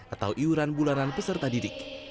atau iuran bulanan peserta didik